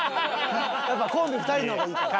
やっぱコンビ２人の方がいいから。